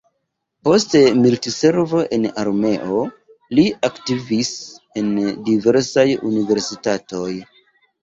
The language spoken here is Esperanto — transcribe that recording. Post militservo en armeo, li aktivis en diversaj universitatoj.